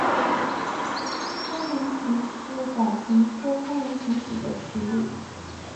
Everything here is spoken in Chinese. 空棱芹是伞形科空棱芹属的植物。